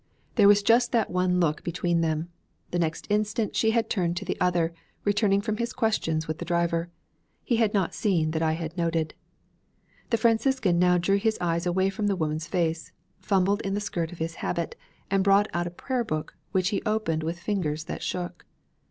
There was just that one look between them. The next instant she had turned to the other, returning from his questions with the driver. He had not seen the look that I had noted. The Franciscan now drew his eyes away from the woman's face, fumbled in the skirt of his habit, and brought out a prayer book which he opened with fingers that shook.